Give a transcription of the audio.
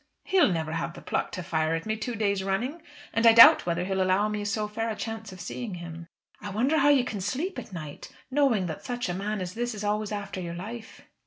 He'll never have the pluck to fire at me two days running. And I doubt whether he'll allow me so fair a chance of seeing him." "I wonder how you can sleep at night, knowing that such a man as this is always after your life."